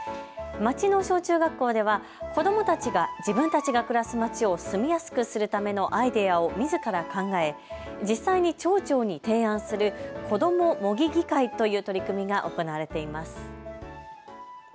町の小中学校では子どもたちが自分たちが暮らす町を住みやすくするためのアイデアをみずから考え、実際に町長に提案するこども模擬議会という取り組みが行われています。